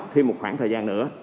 thêm một khoảng thời gian nữa